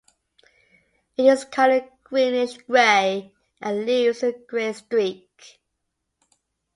It is colored greenish gray and leaves a gray streak.